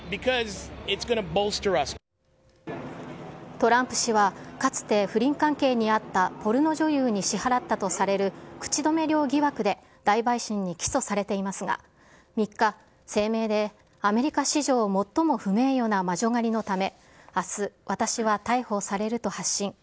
トランプ氏は、かつて不倫関係にあったポルノ女優に支払ったとされる口止め料疑惑で、大陪審に起訴されていますが、３日、声明でアメリカ史上最も不名誉な魔女狩りのため、あす、私は逮捕されると発信。